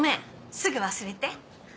すぐ忘れて。